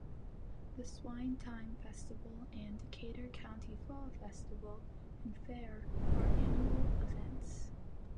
The Swine Time Festival and Decatur County Fall Festival and Fair are annual events.